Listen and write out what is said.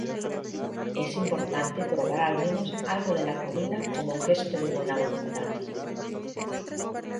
Es importante probar al menos algo de la comida como gesto de buena voluntad.